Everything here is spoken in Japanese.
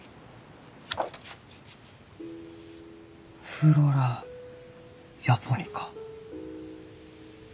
「フロラ・ヤポニカ」。